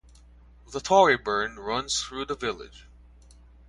The Torry Burn runs through the village.